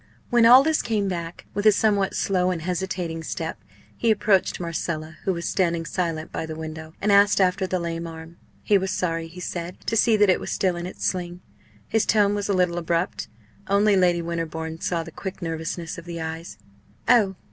When Aldous came back, with a somewhat slow and hesitating step, he approached Marcella, who was standing silent by the window, and asked after the lame arm. He was sorry, he said, to see that it was still in its sling. His tone was a little abrupt. Only Lady Winterbourne saw the quick nervousness of the eyes, "Oh!